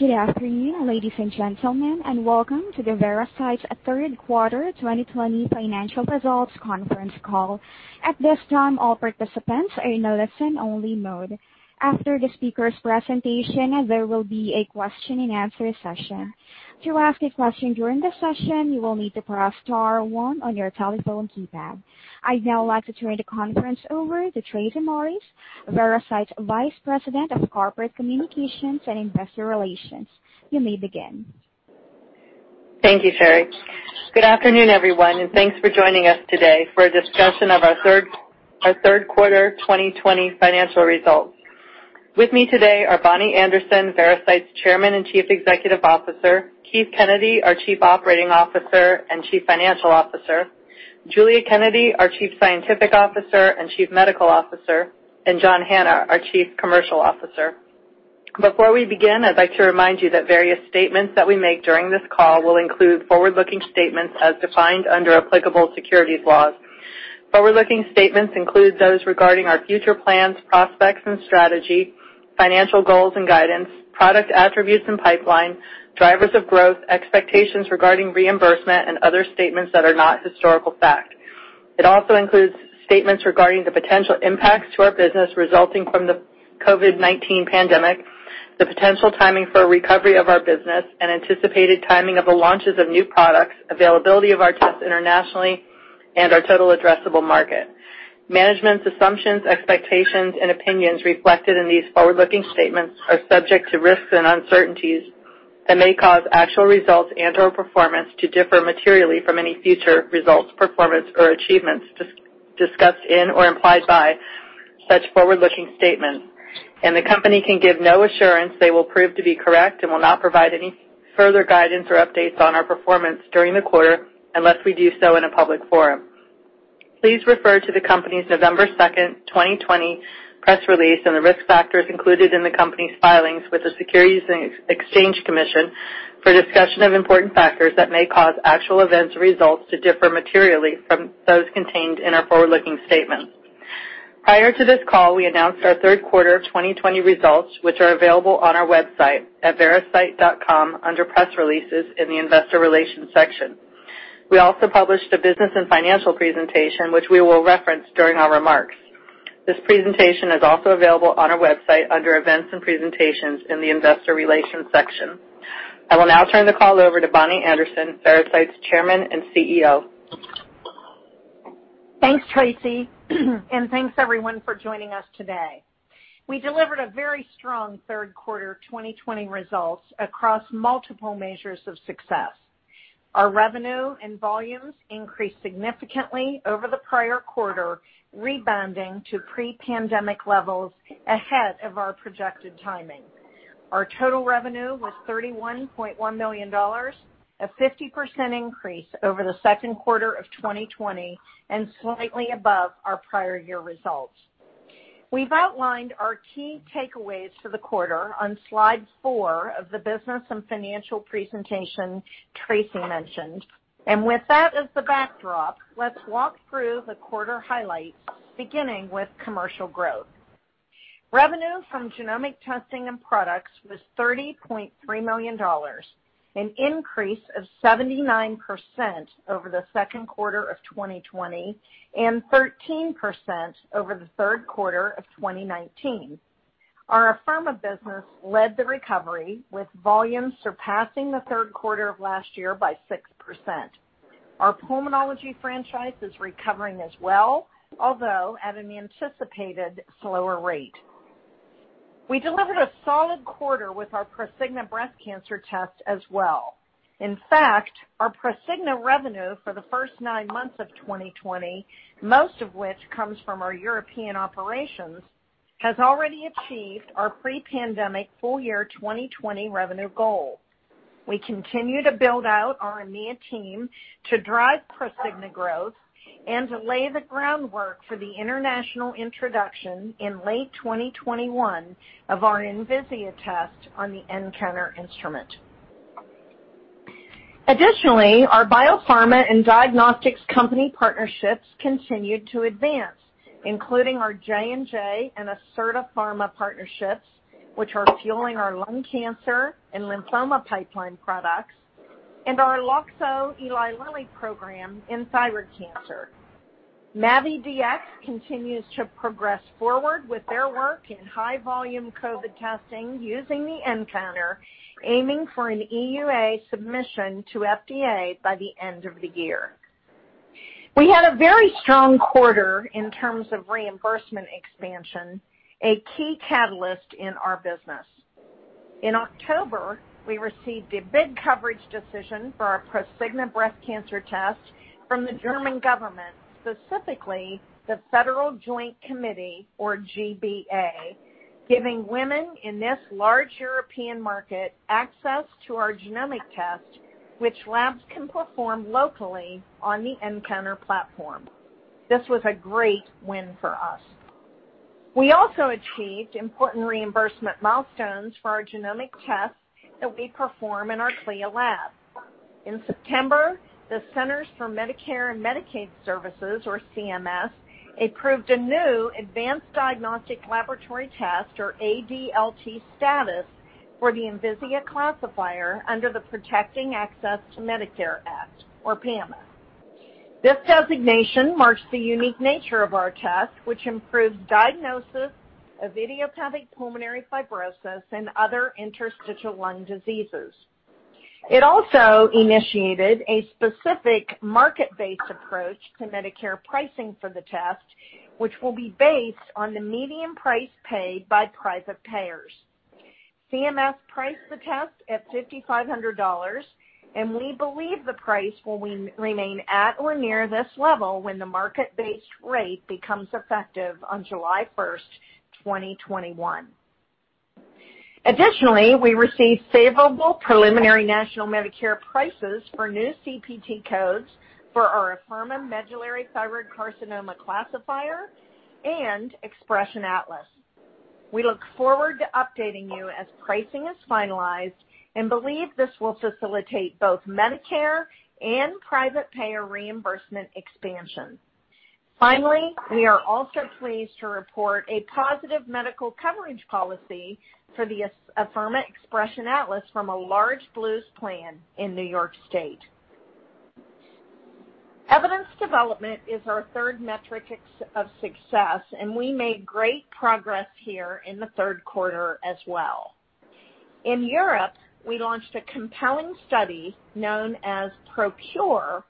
Good afternoon, ladies and gentlemen, and welcome to the Veracyte's third quarter 2020 financial results conference call. I'd now like to turn the conference over to Tracy Morris, Veracyte's Vice President of Corporate Communications and Investor Relations. You may begin. Thank you, Terry. Good afternoon, everyone, thanks for joining us today for a discussion of our third quarter 2020 financial results. With me today are Bonnie Anderson, Veracyte's Chairman and Chief Executive Officer, Keith Kennedy, our Chief Operating Officer and Chief Financial Officer, Giulia Kennedy, our Chief Scientific Officer and Chief Medical Officer, and John Hanna, our Chief Commercial Officer. Before we begin, I'd like to remind you that various statements that we make during this call will include forward-looking statements as defined under applicable securities laws. Forward-looking statements include those regarding our future plans, prospects, and strategy, financial goals and guidance, product attributes and pipeline, drivers of growth, expectations regarding reimbursement, and other statements that are not historical fact. It also includes statements regarding the potential impacts to our business resulting from the COVID-19 pandemic, the potential timing for a recovery of our business, and anticipated timing of the launches of new products, availability of our tests internationally, and our total addressable market. Management's assumptions, expectations, and opinions reflected in these forward-looking statements are subject to risks and uncertainties that may cause actual results and/or performance to differ materially from any future results, performance, or achievements discussed in or implied by such forward-looking statements. The company can give no assurance they will prove to be correct and will not provide any further guidance or updates on our performance during the quarter unless we do so in a public forum. Please refer to the company's November 2nd, 2020 press release and the risk factors included in the company's filings with the Securities and Exchange Commission for a discussion of important factors that may cause actual events or results to differ materially from those contained in our forward-looking statements. Prior to this call, we announced our third quarter 2020 results, which are available on our website at veracyte.com under Press Releases in the Investor Relations section. We also published a business and financial presentation, which we will reference during our remarks. This presentation is also available on our website under Events and Presentations in the Investor Relations section. I will now turn the call over to Bonnie Anderson, Veracyte's Chairman and CEO. Thanks, Tracy, and thanks everyone for joining us today. We delivered a very strong third quarter 2020 results across multiple measures of success. Our revenue and volumes increased significantly over the prior quarter, rebounding to pre-pandemic levels ahead of our projected timing. Our total revenue was $31.1 million, a 50% increase over the second quarter of 2020, and slightly above our prior year results. We've outlined our key takeaways for the quarter on slide four of the business and financial presentation Tracy mentioned. With that as the backdrop, let's walk through the quarter highlights, beginning with commercial growth. Revenue from genomic testing and products was $30.3 million, an increase of 79% over the second quarter of 2020 and 13% over the third quarter of 2019. Our pharma business led the recovery, with volumes surpassing the third quarter of last year by 6%. Our pulmonology franchise is recovering as well, although at an anticipated slower rate. We delivered a solid quarter with our Prosigna breast cancer test as well. In fact, our Prosigna revenue for the first nine months of 2020, most of which comes from our European operations, has already achieved our pre-pandemic full year 2020 revenue goal. We continue to build out our EMEA team to drive Prosigna growth and to lay the groundwork for the international introduction in late 2021 of our Envisia test on the nCounter instrument. Our biopharma and diagnostics company partnerships continued to advance, including our J&J and Acerta Pharma partnerships, which are fueling our lung cancer and lymphoma pipeline products, and our Loxo Eli Lilly program in thyroid cancer. MAVIDx continues to progress forward with their work in high volume COVID-19 testing using the nCounter, aiming for an EUA submission to FDA by the end of the year. We had a very strong quarter in terms of reimbursement expansion, a key catalyst in our business. In October, we received a bid coverage decision for our Prosigna breast cancer test from the German government, specifically the Federal Joint Committee, or G-BA, giving women in this large European market access to our genomic test, which labs can perform locally on the nCounter platform. This was a great win for us. We also achieved important reimbursement milestones for our genomic tests that we perform in our CLIA lab. In September, the Centers for Medicare & Medicaid Services, or CMS, approved a new Advanced Diagnostic Laboratory Test, or ADLT status for the Envisia classifier under the Protecting Access to Medicare Act, or PAMA. This designation marks the unique nature of our test, which improves diagnosis of idiopathic pulmonary fibrosis and other interstitial lung diseases. It also initiated a specific market-based approach to Medicare pricing for the test, which will be based on the median price paid by private payers. CMS priced the test at $5,500. We believe the price will remain at or near this level when the market-based rate becomes effective on July 1st, 2021. Additionally, we received favorable preliminary national Medicare prices for new CPT codes for our Afirma Medullary Thyroid Carcinoma Classifier and Xpression Atlas. We look forward to updating you as pricing is finalized and believe this will facilitate both Medicare and private payer reimbursement expansion. We are also pleased to report a positive medical coverage policy for the Afirma Xpression Atlas from a large Blues plan in New York State. Evidence development is our third metric of success, and we made great progress here in the third quarter as well. In Europe, we launched a compelling study known as PROCURE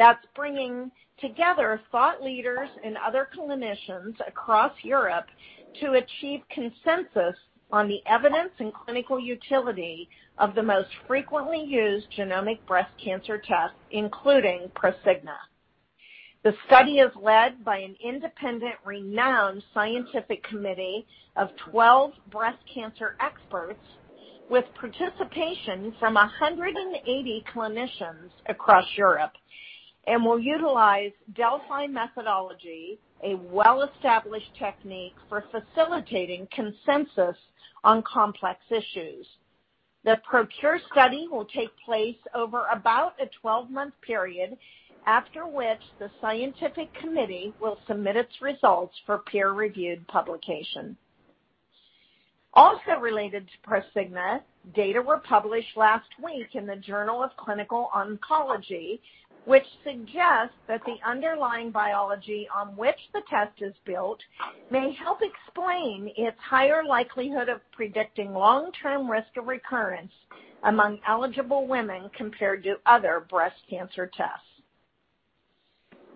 that's bringing together thought leaders and other clinicians across Europe to achieve consensus on the evidence and clinical utility of the most frequently used genomic breast cancer tests, including Prosigna. The study is led by an independent, renowned scientific committee of 12 breast cancer experts with participation from 180 clinicians across Europe and will utilize Delphi methodology, a well-established technique for facilitating consensus on complex issues. The PROCURE study will take place over about a 12-month period, after which the scientific committee will submit its results for peer-reviewed publication. Also related to Prosigna, data were published last week in the Journal of Clinical Oncology, which suggests that the underlying biology on which the test is built may help explain its higher likelihood of predicting long-term risk of recurrence among eligible women compared to other breast cancer tests.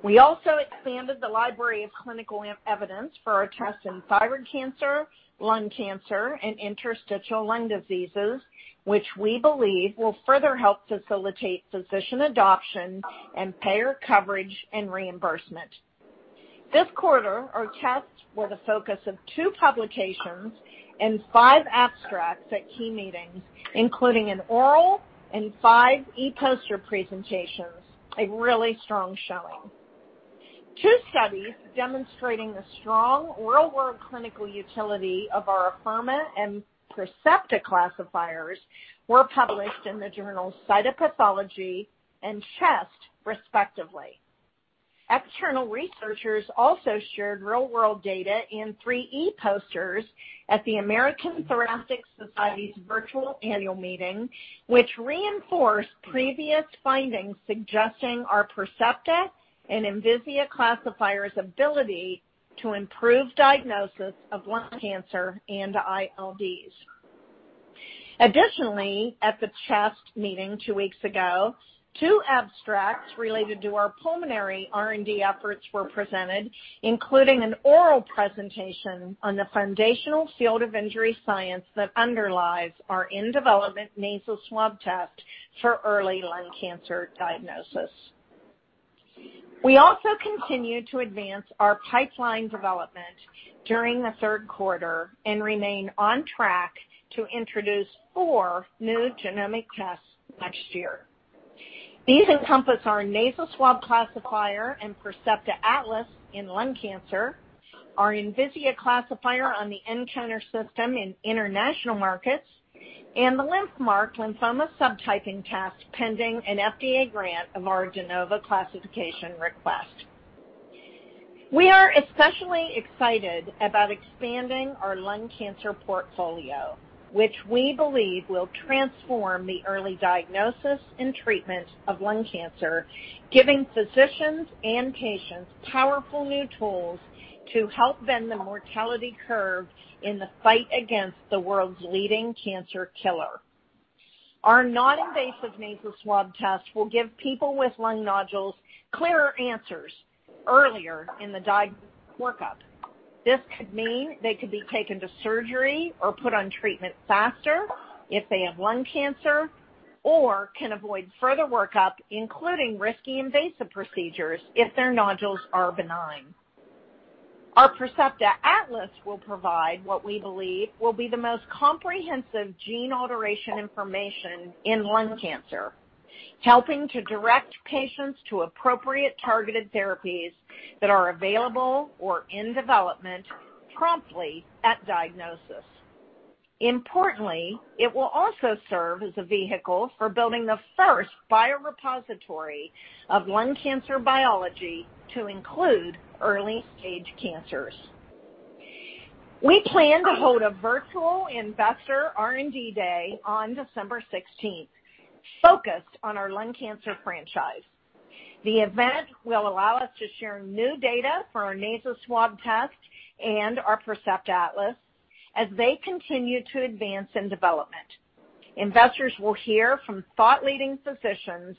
We also expanded the library of clinical evidence for our tests in thyroid cancer, lung cancer, and interstitial lung diseases, which we believe will further help facilitate physician adoption and payer coverage and reimbursement. This quarter, our tests were the focus of two publications and five abstracts at key meetings, including an oral and five e-poster presentations, a really strong showing. Two studies demonstrating the strong real-world clinical utility of our Afirma and Percepta classifiers were published in the journals Cytopathology and Chest, respectively. External researchers also shared real-world data in three e-posters at the American Thoracic Society's virtual annual meeting, which reinforced previous findings suggesting our Percepta and Envisia classifiers' ability to improve diagnosis of lung cancer and ILDs. At the Chest meeting two weeks ago, two abstracts related to our pulmonary R&D efforts were presented, including an oral presentation on the foundational field of injury science that underlies our in-development nasal swab test for early lung cancer diagnosis. We also continued to advance our pipeline development during the third quarter and remain on track to introduce four new genomic tests next year. These encompass our nasal swab classifier and Percepta Genomic Atlas in lung cancer, our Envisia classifier on the nCounter system in international markets, and the LymphMark lymphoma subtyping test, pending an FDA grant of our De Novo classification request. We are especially excited about expanding our lung cancer portfolio, which we believe will transform the early diagnosis and treatment of lung cancer, giving physicians and patients powerful new tools to help bend the mortality curve in the fight against the world's leading cancer killer. Our non-invasive nasal swab test will give people with lung nodules clearer answers earlier in the diagnostic workup. This could mean they could be taken to surgery or put on treatment faster if they have lung cancer, or can avoid further workup, including risky invasive procedures, if their nodules are benign. Our Percepta Atlas will provide what we believe will be the most comprehensive gene alteration information in lung cancer, helping to direct patients to appropriate targeted therapies that are available or in development promptly at diagnosis. Importantly, it will also serve as a vehicle for building the first biorepository of lung cancer biology to include early-stage cancers. We plan to hold a virtual investor R&D Day on December 16th, focused on our lung cancer franchise. The event will allow us to share new data for our nasal swab test and our Percepta Atlas as they continue to advance in development. Investors will hear from thought leading physicians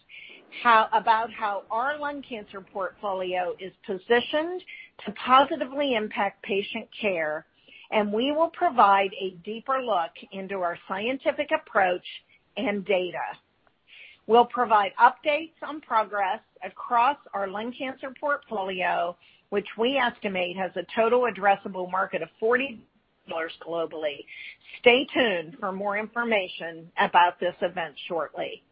about how our lung cancer portfolio is positioned to positively impact patient care, and we will provide a deeper look into our scientific approach and data. We'll provide updates on progress across our lung cancer portfolio, which we estimate has a total addressable market of $40 globally. Stay tuned for more information about this event shortly.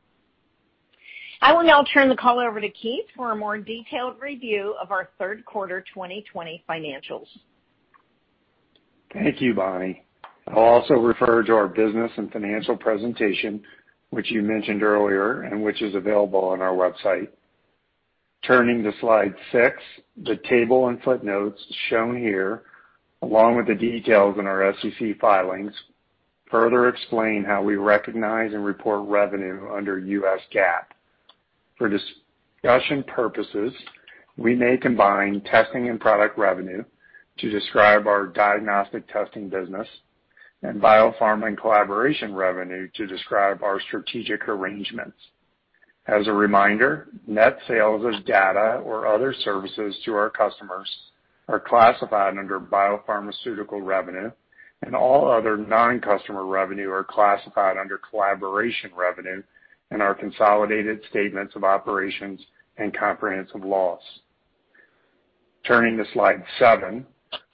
I will now turn the call over to Keith for a more detailed review of our third quarter 2020 financials. Thank you, Bonnie. I'll also refer to our business and financial presentation, which you mentioned earlier, and which is available on our website. Turning to slide six, the table and footnotes shown here, along with the details in our SEC filings, further explain how we recognize and report revenue under US GAAP. For discussion purposes, we may combine testing and product revenue to describe our diagnostic testing business and biopharma and collaboration revenue to describe our strategic arrangements. As a reminder, net sales of data or other services to our customers are classified under biopharmaceutical revenue, and all other non-customer revenue are classified under collaboration revenue in our consolidated statements of operations and comprehensive loss. Turning to slide seven,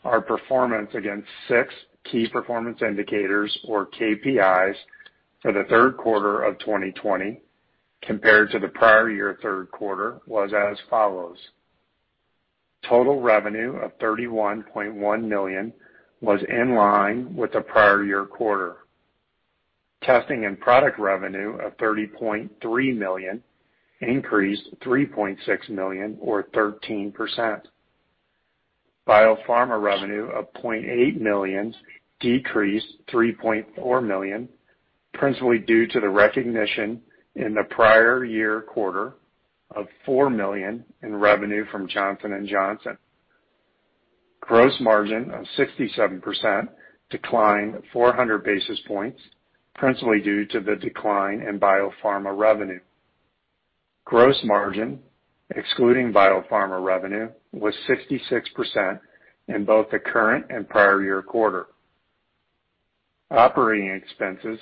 our performance against six key performance indicators or KPIs for the third quarter of 2020 compared to the prior year third quarter was as follows. Total revenue of $31.1 million was in line with the prior year quarter. Testing and product revenue of $30.3 million increased $3.6 million or 13%. Biopharma revenue of $0.8 million decreased $3.4 million, principally due to the recognition in the prior year quarter of $4 million in revenue from Johnson & Johnson. Gross margin of 67% declined 400 basis points, principally due to the decline in biopharma revenue. Gross margin, excluding biopharma revenue, was 66% in both the current and prior year quarter. Operating expenses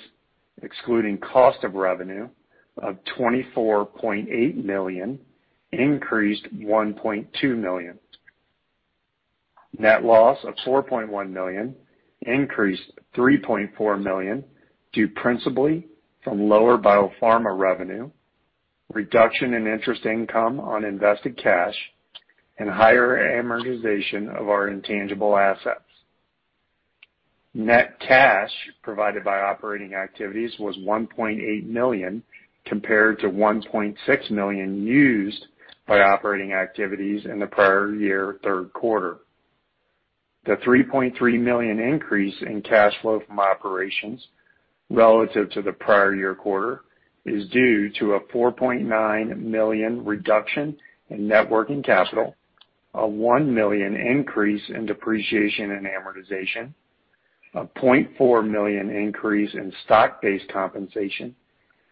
excluding cost of revenue of $24.8 million increased $1.2 million. Net loss of $4.1 million increased $3.4 million due principally from lower biopharma revenue, reduction in interest income on invested cash, and higher amortization of our intangible assets. Net cash provided by operating activities was $1.8 million, compared to $1.6 million used by operating activities in the prior year third quarter. The $3.3 million increase in cash flow from operations relative to the prior year quarter is due to a $4.9 million reduction in net working capital, a $1 million increase in depreciation and amortization, a $0.4 million increase in stock-based compensation,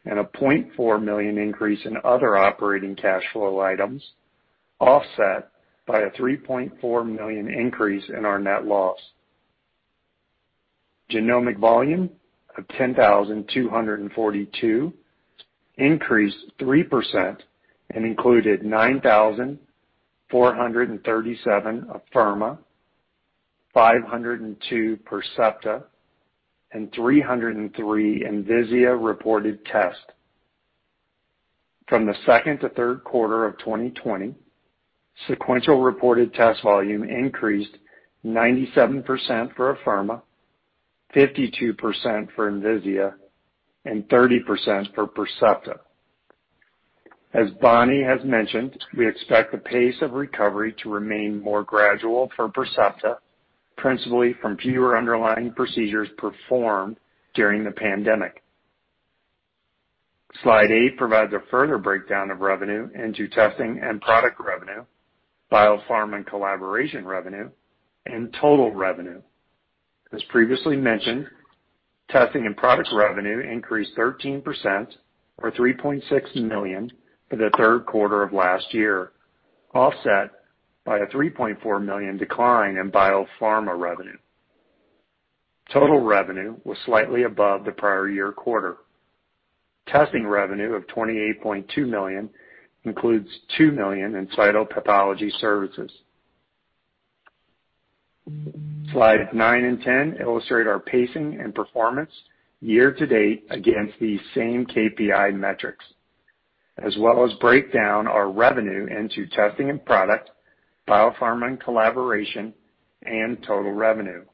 and a $0.4 million increase in other operating cash flow items, offset by a $3.4 million increase in our net loss. Genomic volume of 10,242 increased 3% and included 9,437 Afirma, 502 Percepta, and 303 Envisia reported tests. From the second to third quarter of 2020, sequential reported test volume increased 97% for Afirma, 52% for Envisia, and 30% for Percepta. As Bonnie has mentioned, we expect the pace of recovery to remain more gradual for Percepta, principally from fewer underlying procedures performed during the pandemic. Slide eight provides a further breakdown of revenue into testing and product revenue, biopharma and collaboration revenue, and total revenue. As previously mentioned, testing and product revenue increased 13%, or $3.6 million for the third quarter of last year, offset by a $3.4 million decline in biopharma revenue. Total revenue was slightly above the prior year quarter. Testing revenue of $28.2 million includes $2 million in cytopathology services. Slide nine and 10 illustrate our pacing and performance year to date against the same KPI metrics, as well as break down our revenue into testing and product, biopharma and collaboration, and total revenue.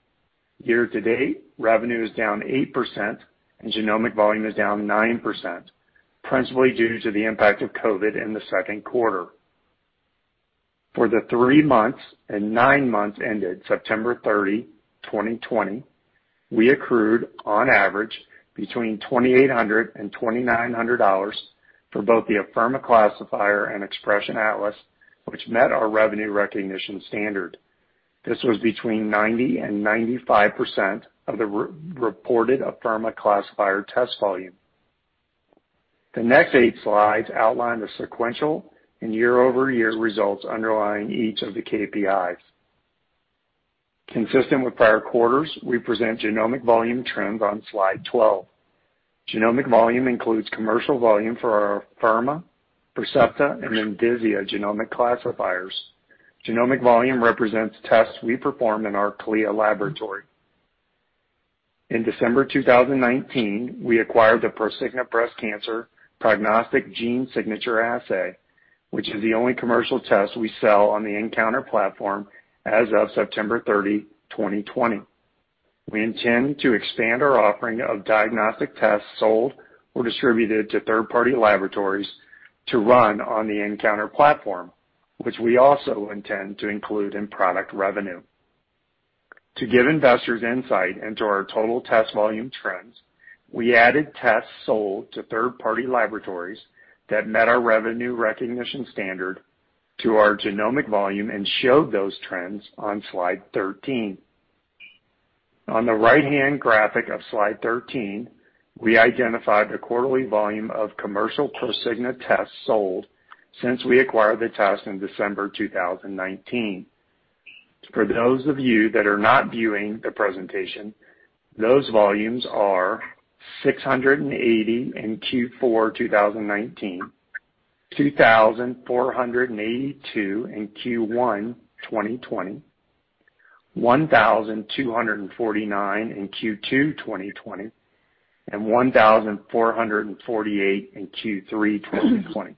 Year-to-date, revenue is down 8%, and genomic volume is down 9%, principally due to the impact of COVID in the second quarter. For the three months and nine months ended September 30, 2020, we accrued on average between $2,800 and $2,900 for both the Afirma classifier and Xpression Atlas, which met our revenue recognition standard. This was between 90% and 95% of the reported Afirma classifier test volume. The next 8 slides outline the sequential and year-over-year results underlying each of the KPIs. Consistent with prior quarters, we present genomic volume trends on slide 12. Genomic volume includes commercial volume for our Afirma, Percepta, and Envisia genomic classifiers. Genomic volume represents tests we perform in our CLIA laboratory. In December 2019, we acquired the Prosigna breast cancer prognostic gene signature assay, which is the only commercial test we sell on the nCounter platform as of September 30, 2020. We intend to expand our offering of diagnostic tests sold or distributed to third-party laboratories to run on the nCounter platform, which we also intend to include in product revenue. To give investors insight into our total test volume trends, we added tests sold to third-party laboratories that met our revenue recognition standard to our genomic volume and showed those trends on slide 13. On the right-hand graphic of slide 13, we identified the quarterly volume of commercial Prosigna tests sold since we acquired the test in December 2019. For those of you that are not viewing the presentation, those volumes are 680 in Q4 2019, 2,482 in Q1 2020, 1,249 in Q2 2020, and 1,448 in Q3 2020.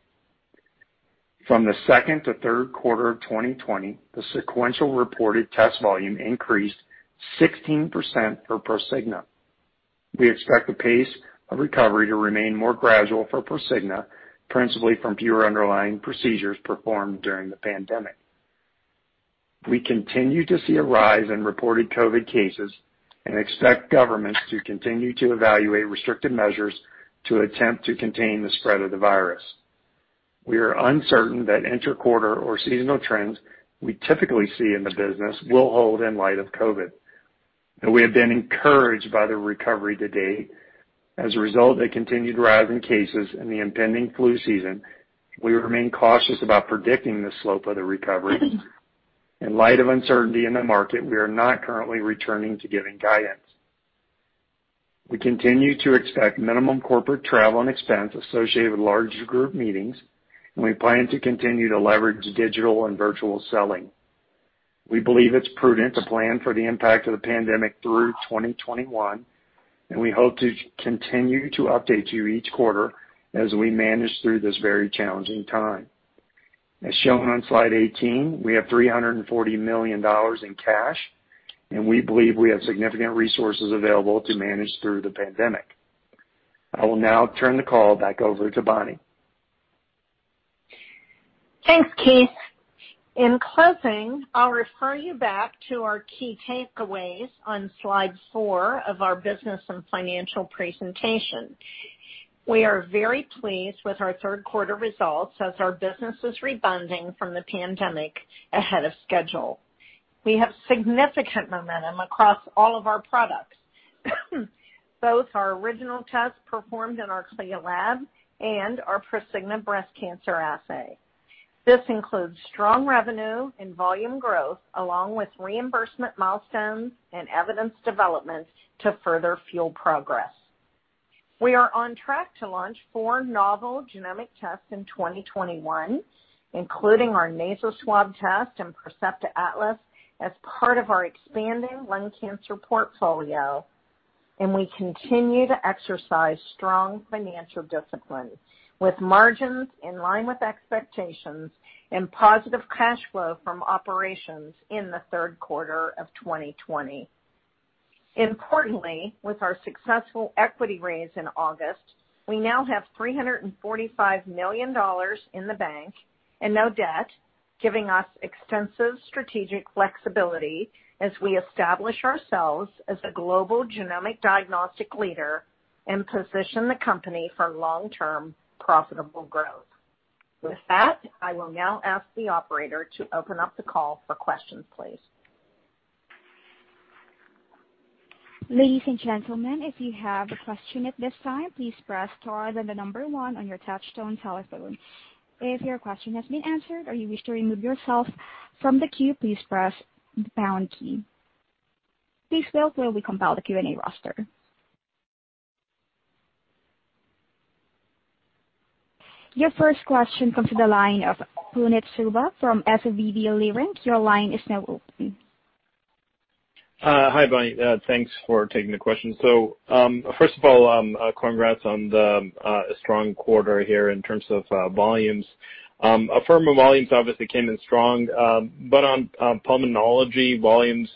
From the second to third quarter of 2020, the sequential reported test volume increased 16% for Prosigna. We expect the pace of recovery to remain more gradual for Prosigna, principally from fewer underlying procedures performed during the pandemic. We continue to see a rise in reported COVID-19 cases and expect governments to continue to evaluate restrictive measures to attempt to contain the spread of the virus. We are uncertain that inter-quarter or seasonal trends we typically see in the business will hold in light of COVID, and we have been encouraged by the recovery to date. As a result of the continued rise in cases and the impending flu season, we remain cautious about predicting the slope of the recovery. In light of uncertainty in the market, we are not currently returning to giving guidance. We continue to expect minimum corporate travel and expense associated with large group meetings, and we plan to continue to leverage digital and virtual selling. We believe it's prudent to plan for the impact of the pandemic through 2021, and we hope to continue to update you each quarter as we manage through this very challenging time. As shown on slide 18, we have $340 million in cash, and we believe we have significant resources available to manage through the pandemic. I will now turn the call back over to Bonnie. Thanks, Keith. In closing, I'll refer you back to our key takeaways on slide four of our business and financial presentation. We are very pleased with our third quarter results as our business is rebounding from the pandemic ahead of schedule. We have significant momentum across all of our products, both our original tests performed in our CLIA lab and our Prosigna breast cancer assay. This includes strong revenue and volume growth, along with reimbursement milestones and evidence developments to further fuel progress. We are on track to launch four novel genomic tests in 2021, including our nasal swab test and Percepta Genomic Atlas as part of our expanding lung cancer portfolio. We continue to exercise strong financial discipline, with margins in line with expectations and positive cash flow from operations in the third quarter of 2020. Importantly, with our successful equity raise in August, we now have $345 million in the bank and no debt, giving us extensive strategic flexibility as we establish ourselves as a global genomic diagnostic leader and position the company for long-term profitable growth. With that, I will now ask the operator to open up the call for questions, please. Your first question comes to the line of Puneet Souda from SVB Leerink. Your line is now open Hi, Bonnie. Thanks for taking the questions. First of all, congrats on the strong quarter here in terms of volumes. Afirma volumes obviously came in strong, but on pulmonology, volumes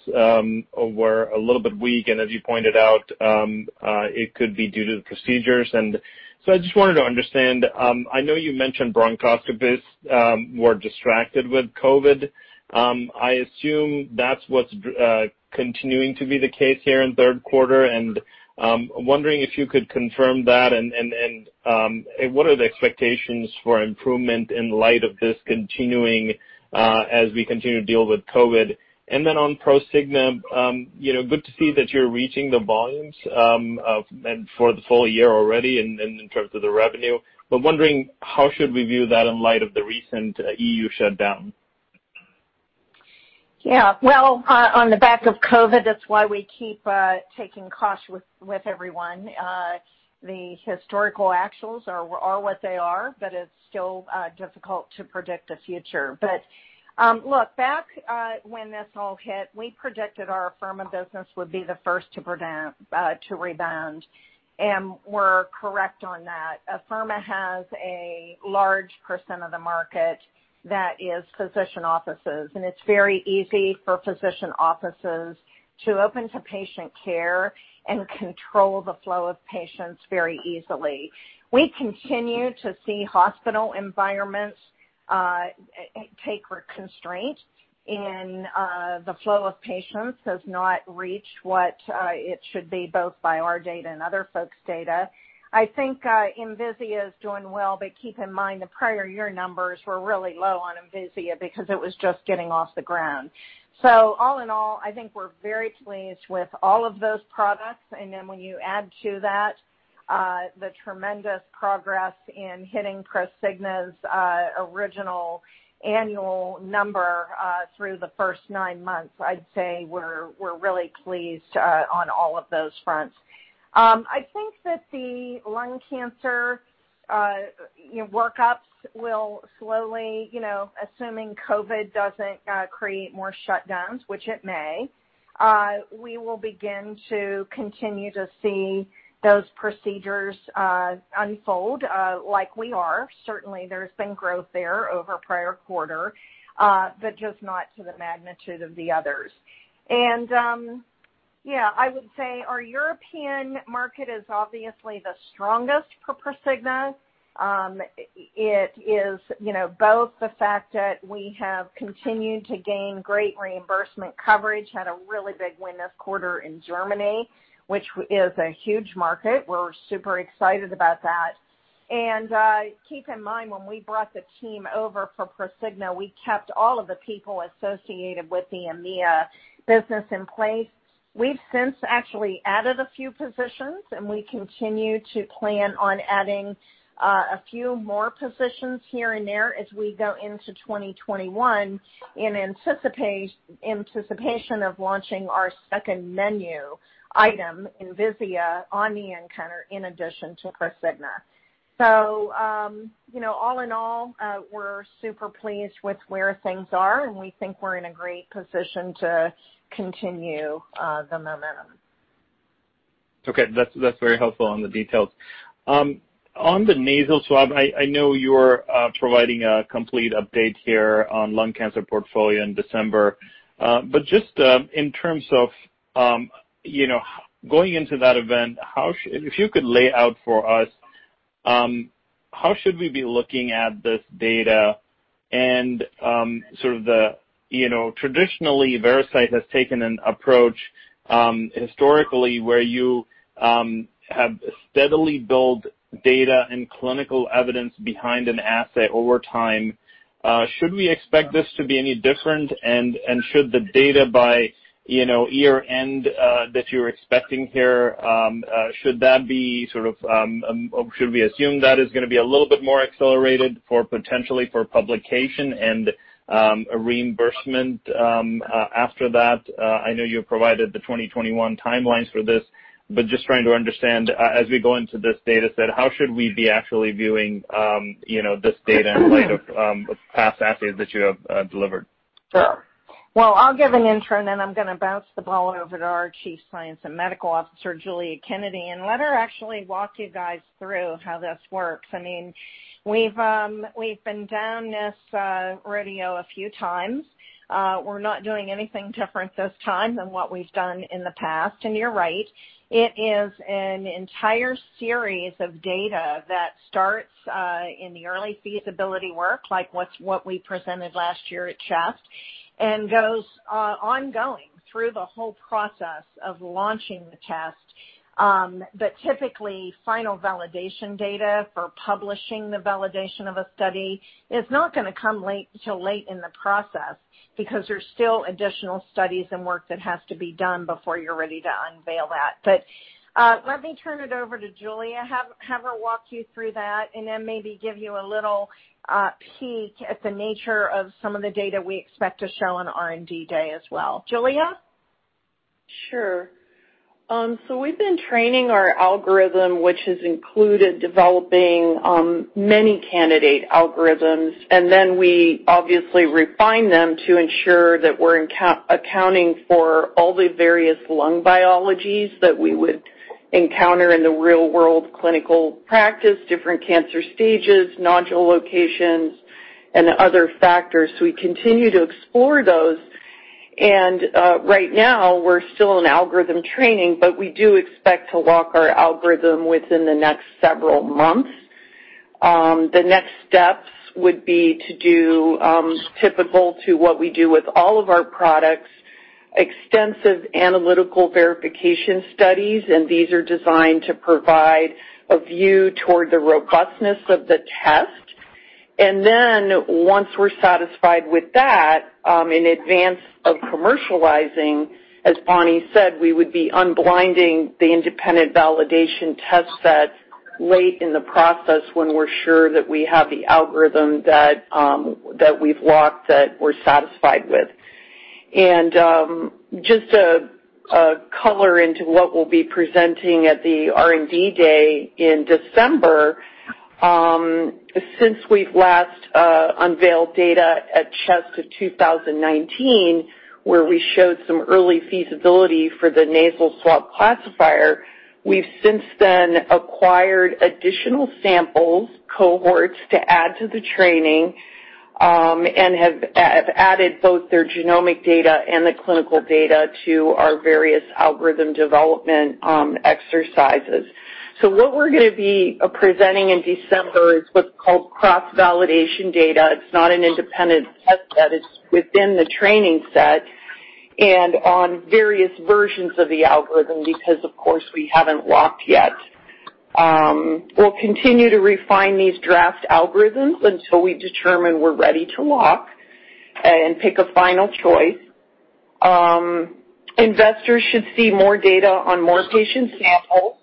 were a little bit weak, and as you pointed out it could be due to the procedures. I just wanted to understand, I know you mentioned bronchoscopists were distracted with COVID. I assume that's what's continuing to be the case here in third quarter, and I'm wondering if you could confirm that, and what are the expectations for improvement in light of this continuing as we continue to deal with COVID? On Prosigna, good to see that you're reaching the volumes for the full year already in terms of the revenue. Wondering how should we view that in light of the recent EU shutdown? Yeah. Well, on the back of COVID, that's why we keep taking caution with everyone. The historical actuals are what they are. It's still difficult to predict the future. Look, back when this all hit, we predicted our Afirma business would be the first to rebound. We're correct on that. Afirma has a large % of the market that is physician offices. It's very easy for physician offices to open to patient care and control the flow of patients very easily. We continue to see hospital environments take constraint. The flow of patients has not reached what it should be, both by our data and other folks' data. I think Envisia is doing well. Keep in mind, the prior year numbers were really low on Envisia because it was just getting off the ground. All in all, I think we're very pleased with all of those products. Then when you add to that the tremendous progress in hitting Prosigna's original annual number through the first nine months, I'd say we're really pleased on all of those fronts. I think that the lung cancer workups will slowly, assuming COVID doesn't create more shutdowns, which it may, we will begin to continue to see those procedures unfold like we are. Certainly, there's been growth there over prior quarter, but just not to the magnitude of the others. Yeah, I would say our European market is obviously the strongest for Prosigna. It is both the fact that we have continued to gain great reimbursement coverage, had a really big win this quarter in Germany, which is a huge market. We're super excited about that. Keep in mind, when we brought the team over for Prosigna, we kept all of the people associated with the EMEA business in place. We've since actually added a few positions, and we continue to plan on adding a few more positions here and there as we go into 2021 in anticipation of launching our second menu item, Envisia, on the nCounter in addition to Prosigna. All in all, we're super pleased with where things are, and we think we're in a great position to continue the momentum. Okay. That's very helpful on the details. On the nasal swab, I know you're providing a complete update here on lung cancer portfolio in December. Just in terms of going into that event, if you could lay out for us, how should we be looking at this data and traditionally, Veracyte has taken an approach historically where you have steadily built data and clinical evidence behind an asset over time. Should we expect this to be any different, should the data by year-end that you're expecting here, should we assume that is going to be a little bit more accelerated potentially for publication and reimbursement after that? I know you've provided the 2021 timelines for this, just trying to understand, as we go into this data set, how should we be actually viewing this data in light of past assets that you have delivered? Sure. Well, I'll give an intro, and then I'm going to bounce the ball over to our Chief Science and Medical Officer, Giulia Kennedy, and let her actually walk you guys through how this works. We've been down this rodeo a few times. We're not doing anything different this time than what we've done in the past. You're right, it is an entire series of data that starts in the early feasibility work, like what we presented last year at Chest, and goes ongoing through the whole process of launching the test. Typically, final validation data for publishing the validation of a study is not going to come till late in the process because there's still additional studies and work that has to be done before you're ready to unveil that. Let me turn it over to Giulia, have her walk you through that, and then maybe give you a little peek at the nature of some of the data we expect to show on R&D Day as well. Giulia? Sure. We've been training our algorithm, which has included developing many candidate algorithms, then we obviously refine them to ensure that we're accounting for all the various lung biologies that we would encounter in the real-world clinical practice, different cancer stages, nodule locations, and other factors. We continue to explore those. Right now, we're still in algorithm training, but we do expect to lock our algorithm within the next several months. The next steps would be to do, typical to what we do with all of our products, extensive analytical verification studies, and these are designed to provide a view toward the robustness of the test. Then once we're satisfied with that, in advance of commercializing, as Bonnie said, we would be unblinding the independent validation test sets late in the process when we're sure that we have the algorithm that we've locked that we're satisfied with. Just a color into what we'll be presenting at the R&D Day in December. Since we've last unveiled data at Chest of 2019, where we showed some early feasibility for the nasal swab classifier, we've since then acquired additional samples, cohorts to add to the training, and have added both their genomic data and the clinical data to our various algorithm development exercises. What we're going to be presenting in December is what's called cross-validation data. It's not an independent test set, it's within the training set and on various versions of the algorithm because, of course, we haven't locked yet. We'll continue to refine these draft algorithms until we determine we're ready to lock and pick a final choice. Investors should see more data on more patient samples,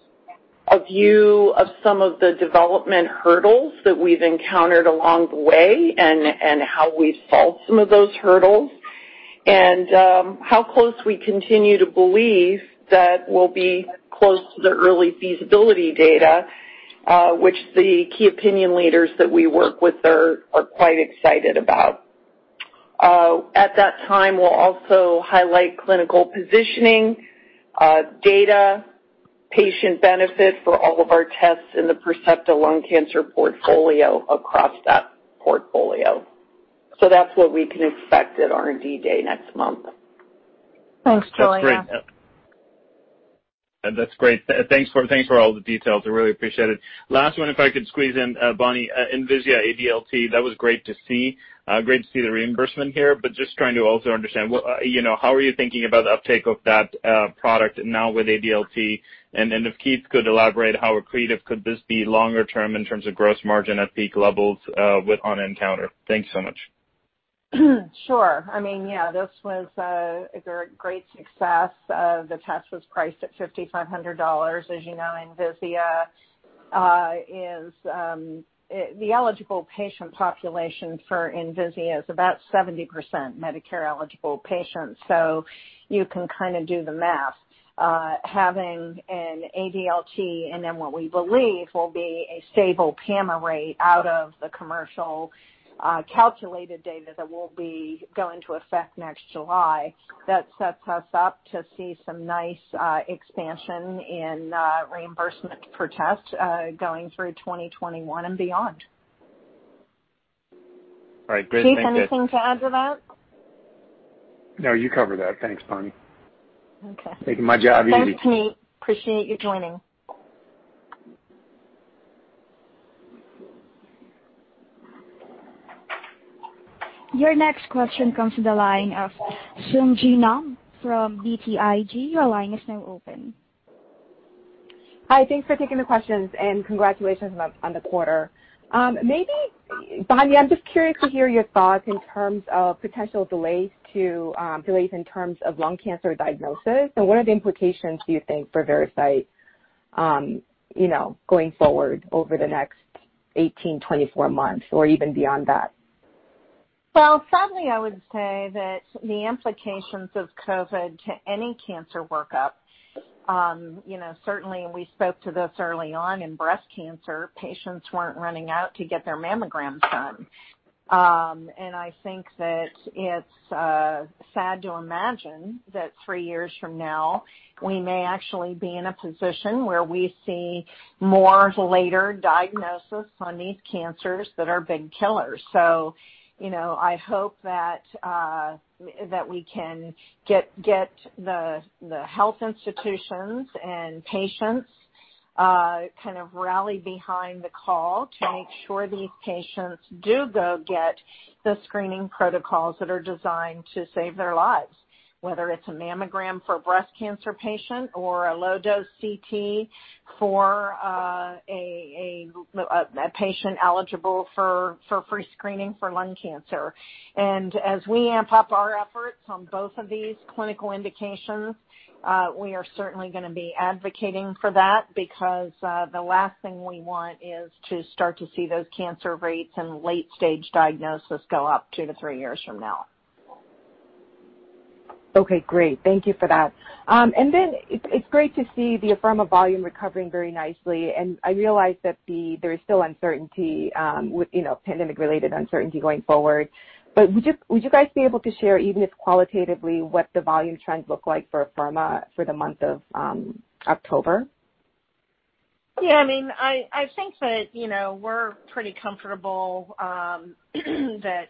a view of some of the development hurdles that we've encountered along the way and how we've solved some of those hurdles, and how close we continue to believe that we'll be close to the early feasibility data, which the Key Opinion Leaders that we work with are quite excited about. At that time, we'll also highlight clinical positioning, data, patient benefit for all of our tests in the Percepta lung cancer portfolio across that portfolio. That's what we can expect at R&D Day next month. Thanks, Giulia. That's great. Thanks for all the details. I really appreciate it. Last one, if I could squeeze in, Bonnie, Envisia ADLT, that was great to see the reimbursement here, but just trying to also understand, how are you thinking about the uptake of that product now with ADLT? If Keith could elaborate, how accretive could this be longer term in terms of gross margin at peak levels on nCounter? Thanks so much. Sure. Yeah, this was a great success. The test was priced at $5,500. As you know, the eligible patient population for Envisia is about 70% Medicare-eligible patients. You can do the math. Having an ADLT and then what we believe will be a stable PAMA rate out of the commercial calculated data that will be going to effect next July, that sets us up to see some nice expansion in reimbursement per test going through 2021 and beyond. All right. Great. Thanks, guys. Keith, anything to add to that? No, you covered that. Thanks, Bonnie. Okay. Making my job easy. Thanks, Keith. Appreciate you joining. Your next question comes to the line of Sung Ji Nam from BTIG. Your line is now open. Hi. Thanks for taking the questions, congratulations on the quarter. Maybe, Bonnie, I'm just curious to hear your thoughts in terms of potential delays in terms of lung cancer diagnosis, and what are the implications, do you think, for Veracyte going forward over the next 18, 24 months or even beyond that? Sadly, I would say that the implications of COVID to any cancer workup, certainly and we spoke to this early on in breast cancer, patients weren't running out to get their mammograms done. I think that it's sad to imagine that three years from now, we may actually be in a position where we see more later diagnosis on these cancers that are big killers. I hope that we can get the health institutions and patients rally behind the call to make sure these patients do go get the screening protocols that are designed to save their lives, whether it's a mammogram for a breast cancer patient or a low-dose CT for a patient eligible for free screening for lung cancer. As we amp up our efforts on both of these clinical indications, we are certainly going to be advocating for that because the last thing we want is to start to see those cancer rates and late-stage diagnosis go up two to three years from now. Okay, great. Thank you for that. It's great to see the Afirma volume recovering very nicely. I realize that there is still uncertainty, pandemic-related uncertainty going forward. Would you guys be able to share, even if qualitatively, what the volume trends look like for Afirma for the month of October? Yeah. I think that we're pretty comfortable that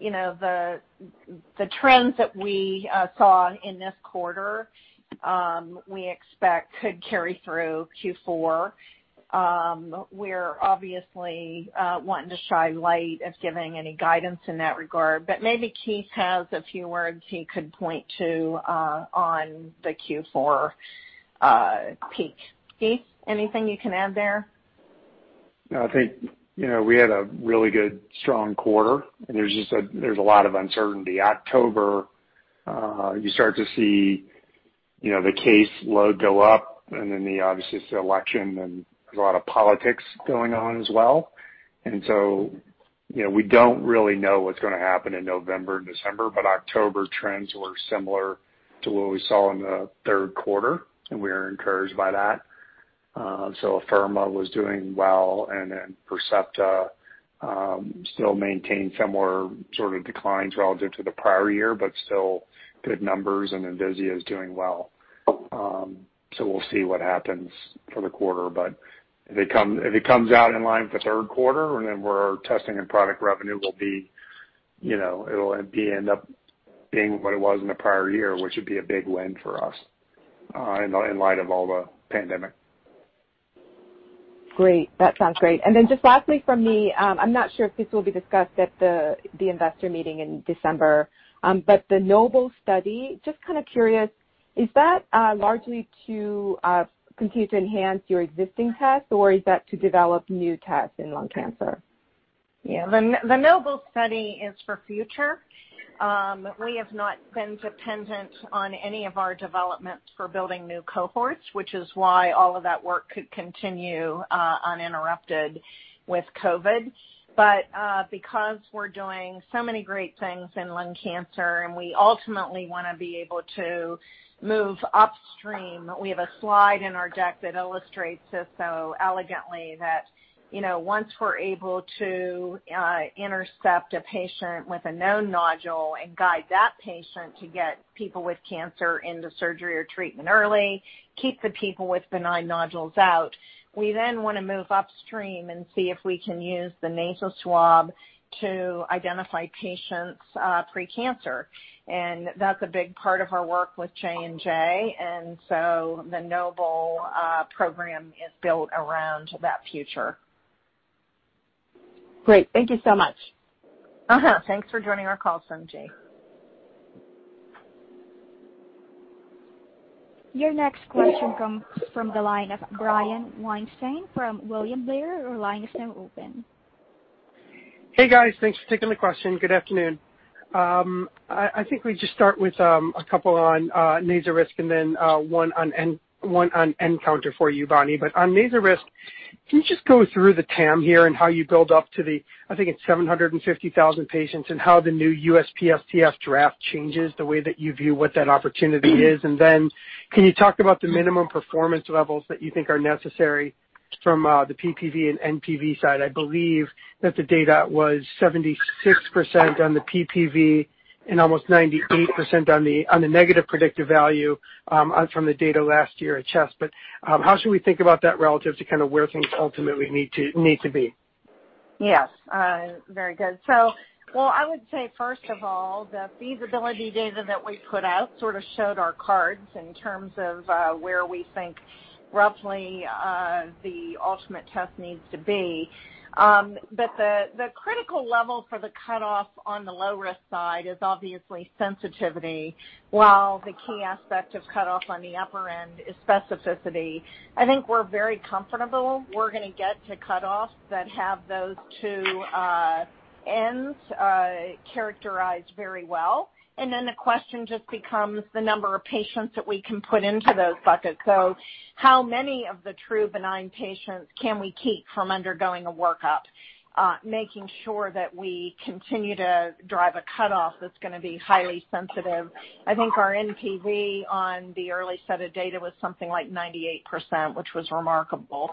the trends that we saw in this quarter, we expect could carry through Q4. We're obviously wanting to shy away from giving any guidance in that regard, but maybe Keith has a few words he could point to on the Q4 peak. Keith, anything you can add there? No, I think we had a really good, strong quarter, and there's a lot of uncertainty. October, you start to see the case load go up, and then obviously it's the election, and there's a lot of politics going on as well. We don't really know what's going to happen in November and December, but October trends were similar to what we saw in the third quarter, and we are encouraged by that. Afirma was doing well, and then Percepta still maintained similar sort of declines relative to the prior year, but still good numbers, and Envisia is doing well. We'll see what happens for the quarter. If it comes out in line with the third quarter, and then our testing and product revenue will end up being what it was in the prior year, which would be a big win for us in light of all the pandemic. Great. That sounds great. Just lastly from me, I'm not sure if this will be discussed at the investor meeting in December. The NOBLE study, just kind of curious, is that largely to continue to enhance your existing tests, or is that to develop new tests in lung cancer? Yeah. The NOBLE study is for future. We have not been dependent on any of our developments for building new cohorts, which is why all of that work could continue uninterrupted with COVID. Because we're doing so many great things in lung cancer, and we ultimately want to be able to move upstream, we have a slide in our deck that illustrates this so elegantly that once we're able to intercept a patient with a known nodule and guide that patient to get people with cancer into surgery or treatment early, keep the people with benign nodules out, we then want to move upstream and see if we can use the nasal swab to identify patients pre-cancer. That's a big part of our work with J&J, the NOBLE program is built around that future. Great. Thank you so much. Thanks for joining our call, Sung Ji. Your next question comes from the line of Brian Weinstein from William Blair. Your line is now open. Hey, guys. Thanks for taking the question. Good afternoon. I think we just start with a couple on nasal risk and then one on nCounter for you, Bonnie. On nasal risk, can you just go through the TAM here and how you build up to the, I think it's 750,000 patients, and how the new USPSTF draft changes the way that you view what that opportunity is? Can you talk about the minimum performance levels that you think are necessary from the PPV and NPV side? I believe that the data was 76% on the PPV and almost 98% on the negative predictive value from the data last year at CHEST. How should we think about that relative to where things ultimately need to be? Yes. Very good. I would say, first of all, the feasibility data that we put out sort of showed our cards in terms of where we think roughly the ultimate test needs to be. The critical level for the cutoff on the low-risk side is obviously sensitivity, while the key aspect of cutoff on the upper end is specificity. I think we're very comfortable we're going to get to cutoffs that have those two ends characterized very well. Then the question just becomes the number of patients that we can put into those buckets. How many of the true benign patients can we keep from undergoing a workup, making sure that we continue to drive a cutoff that's going to be highly sensitive? I think our NPV on the early set of data was something like 98%, which was remarkable.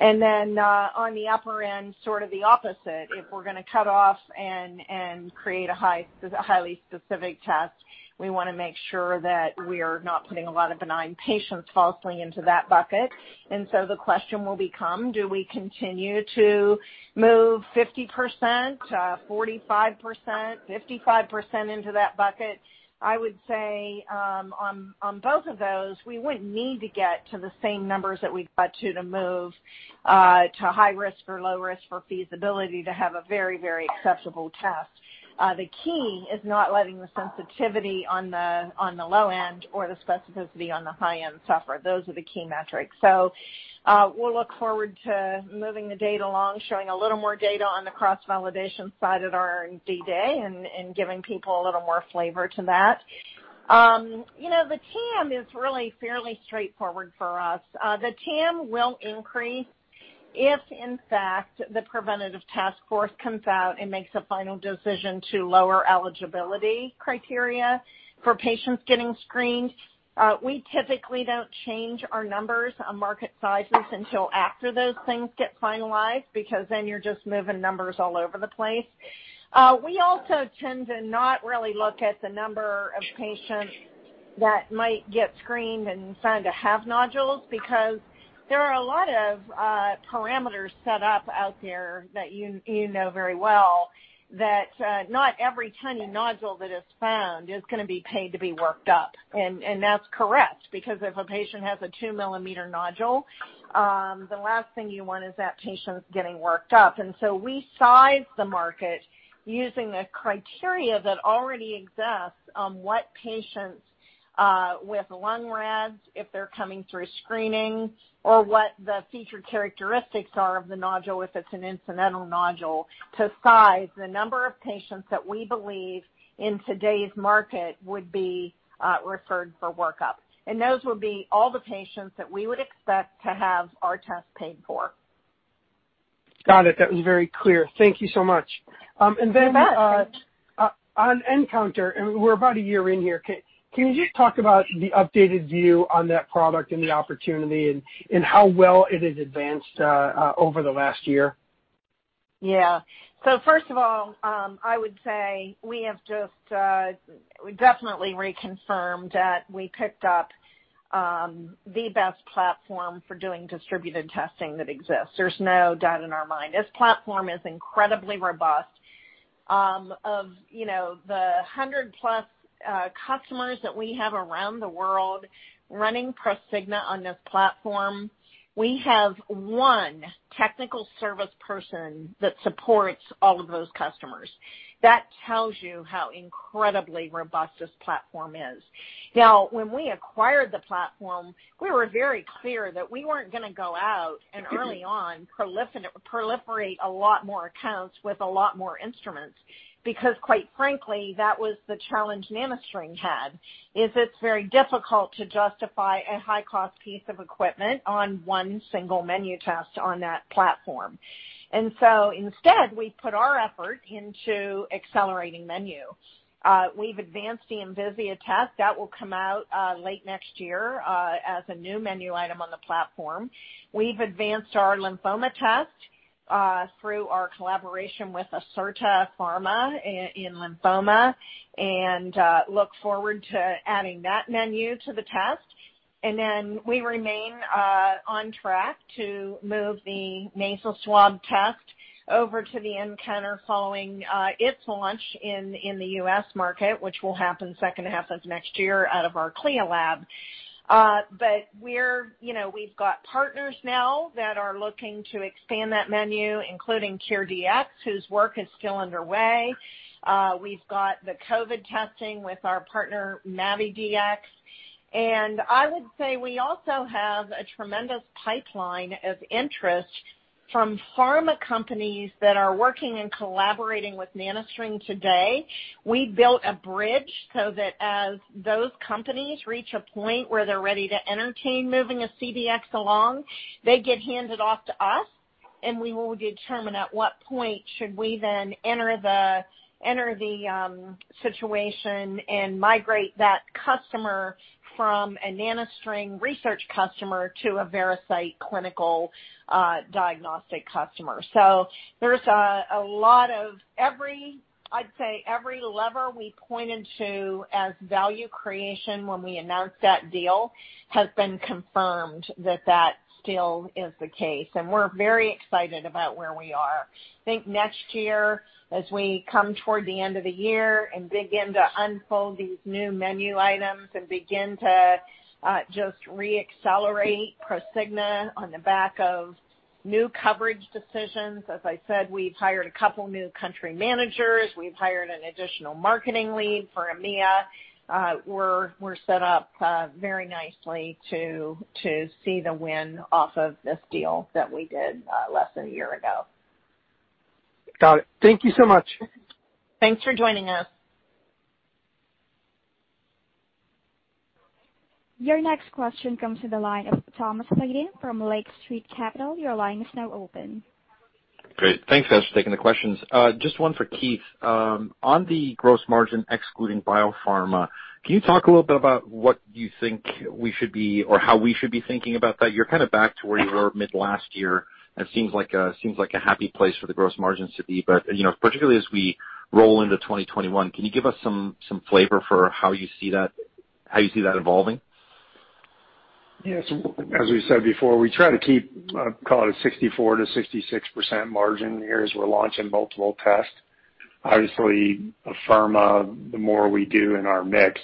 On the upper end, sort of the opposite. If we're going to cut off and create a highly specific test, we want to make sure that we're not putting a lot of benign patients falsely into that bucket. The question will become, do we continue to move 50%, 45%, 55% into that bucket? I would say on both of those, we wouldn't need to get to the same numbers that we've got to move to high risk or low risk for feasibility to have a very acceptable test. The key is not letting the sensitivity on the low end or the specificity on the high end suffer. Those are the key metrics. We'll look forward to moving the data along, showing a little more data on the cross-validation side at our R&D Day and giving people a little more flavor to that. The TAM is really fairly straightforward for us. The TAM will increase if, in fact, the preventive task force comes out and makes a final decision to lower eligibility criteria for patients getting screened. We typically don't change our numbers on market sizes until after those things get finalized, because then you're just moving numbers all over the place. We also tend to not really look at the number of patients that might get screened and found to have nodules, because there are a lot of parameters set up out there that you know very well, that not every tiny nodule that is found is going to be paid to be worked up. That's correct, because if a patient has a 2-millimeter nodule, the last thing you want is that patient getting worked up. We size the market using the criteria that already exists on what patients with Lung-RADS, if they're coming through screening, or what the feature characteristics are of the nodule, if it's an incidental nodule, to size the number of patients that we believe in today's market would be referred for workup. Those would be all the patients that we would expect to have our test paid for. Got it. That was very clear. Thank you so much. You bet. Then, on nCounter, and we're about a year in here, can you just talk about the updated view on that product and the opportunity and how well it has advanced over the last year? Yeah. First of all, I would say we have just definitely reconfirmed that we picked up the best platform for doing distributed testing that exists. There's no doubt in our mind. This platform is incredibly robust. Of the 100-plus customers that we have around the world running Prosigna on this platform, we have one technical service person that supports all of those customers. That tells you how incredibly robust this platform is. Now, when we acquired the platform, we were very clear that we weren't going to go out and early on proliferate a lot more accounts with a lot more instruments, because quite frankly, that was the challenge NanoString had, is it's very difficult to justify a high-cost piece of equipment on one single menu test on that platform. Instead, we put our effort into accelerating menu. We've advanced the Envisia test. That will come out late next year as a new menu item on the platform. We've advanced our lymphoma test through our collaboration with Acerta Pharma in lymphoma, and look forward to adding that menu to the test. We remain on track to move the nasal swab test over to the nCounter following its launch in the U.S. market, which will happen second half of next year out of our CLIA lab. We've got partners now that are looking to expand that menu, including CareDx, whose work is still underway. We've got the COVID testing with our partner MAVIDx, and I would say we also have a tremendous pipeline of interest from pharma companies that are working and collaborating with NanoString today. We built a bridge so that as those companies reach a point where they're ready to entertain moving a CDx along, they get handed off to us, and we will determine at what point should we then enter the situation and migrate that customer from a NanoString research customer to a Veracyte clinical diagnostic customer. I'd say every lever we pointed to as value creation when we announced that deal has been confirmed that that still is the case, and we're very excited about where we are. I think next year, as we come toward the end of the year and begin to unfold these new menu items and begin to just re-accelerate Prosigna on the back of new coverage decisions. As I said, we've hired a couple new country managers. We've hired an additional marketing lead for EMEA. We're set up very nicely to see the win off of this deal that we did less than a year ago. Got it. Thank you so much. Thanks for joining us. Your next question comes to the line of Thomas Flaten from Lake Street Capital Markets. Your line is now open. Great. Thanks for taking the questions. Just one for Keith. On the gross margin excluding biopharma, can you talk a little bit about what you think we should be or how we should be thinking about that? You're back to where you were mid last year, and it seems like a happy place for the gross margins to be. Particularly as we roll into 2021, can you give us some flavor for how you see that evolving? As we said before, we try to keep call it a 64%-66% margin here as we're launching multiple tests. Obviously, pharma, the more we do in our mix,